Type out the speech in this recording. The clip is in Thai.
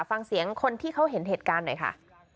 ฟังเสียงคนที่เขาเห็นเหตุการณ์หน่อยค่ะ